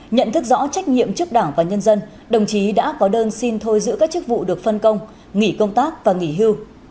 nhận thức rõ trách nhiệm trước đảng và nhân dân đồng chí đã có đơn xin thôi giữ các chức vụ được phân công nghỉ công tác và nghỉ hưu